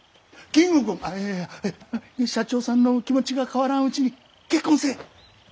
金吾君ああいやいや社長さんの気持ちが変わらんうちに結婚せ。